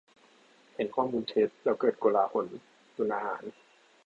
- เห็นข้อมูลเท็จ แล้วเกิดโกลาหล-ตุนอาหาร